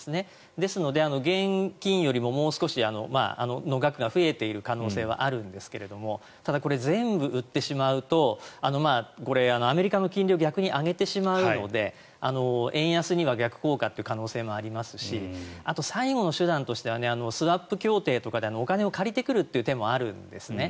ですので、現金よりももう少しの額が増えている可能性はあるんですがただ、全部売ってしまうとアメリカの金利を逆に上げてしまうので円安には逆効果という可能性もありますしあと、最後の手段としてはスワップ協定とかでお金を借りてくる手もあるんですね。